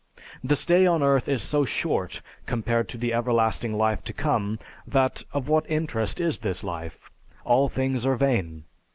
The stay on earth is so short compared to the everlasting life to come, that of what interest is this life; all things are vain.